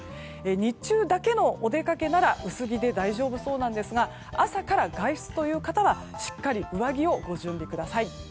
日中だけのお出かけなら薄着で大丈夫そうなんですが朝から外出という方はしっかり上着をご準備ください。